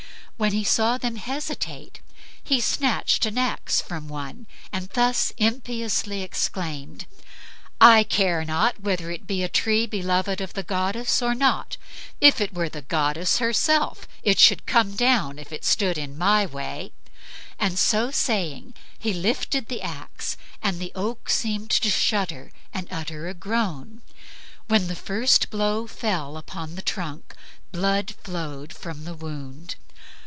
When he saw them hesitate he snatched an axe from one, and thus impiously exclaimed: "I care not whether it be a tree beloved of the goddess or not; were it the goddess herself it should come down if it stood in my way." So saying, he lifted the axe and the oak seemed to shudder and utter a groan. When the first blow fell upon the trunk blood flowed from the wound.